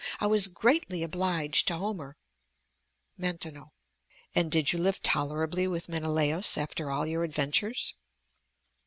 I was greatly obliged to Homer. Maintenon And did you live tolerably with Menelaus after all your adventures?